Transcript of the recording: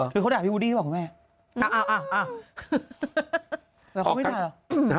หรือเขาด่าพี่วูดดี้หรือเปล่าคุณแม่อ่าอ่าอ่าแล้วเขาไม่ด่าหรอ